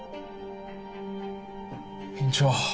院長